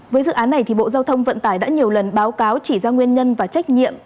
với dự án này bộ giao thông vận tải đã nhiều lần báo cáo chỉ ra nguyên nhân và trách nhiệm